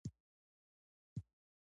نظم او ډیسپلین ولرئ